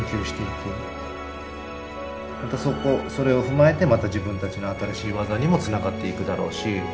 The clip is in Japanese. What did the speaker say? またそれを踏まえてまた自分たちの新しい技にもつながっていくだろうし。